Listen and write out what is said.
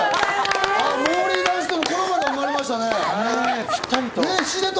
モーリーダンスとのコラボで生まれましたね。